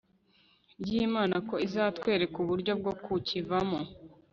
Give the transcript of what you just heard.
ryImana ko izatwereka uburyo bwo kukivamo